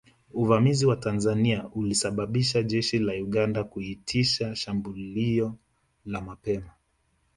Uvamizi wa Tanzania ulisababisha jeshi la Uganda kuitisha shambulio la mapema